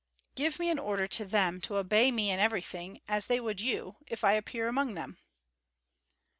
"Give me an order to them to obey me in everything, as they would you, if I appear among them."